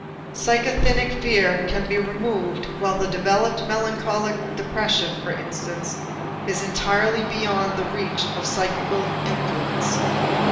Psychasthenic fear can be removed, while the developed melancholic depression, for instance, is entirely beyond the reach of psychical influence.